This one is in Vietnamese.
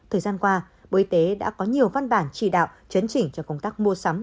thời gian qua bộ y tế đã có nhiều văn bản chỉ đạo chấn chỉnh cho công tác mua sắm